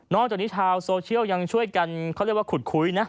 จากนี้ชาวโซเชียลยังช่วยกันเขาเรียกว่าขุดคุยนะ